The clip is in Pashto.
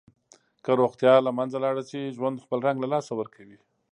که روغتیا له منځه لاړه شي، ژوند خپل رنګ له لاسه ورکوي.